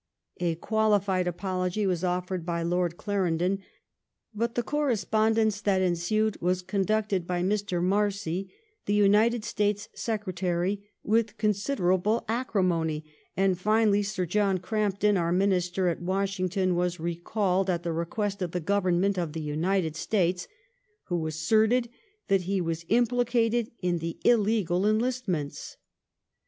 A qualified apology was offered by Lord Clarendon ; but the correspondence that ensued was conducted by Mr. Marcy, the United States Secre tary, with considerable acrimony ; and finally Sir John Crampton, our Minister at Washington, was recalled at the request of the Government of the United States, who asserted that he was implicated in th& illegal enlistments.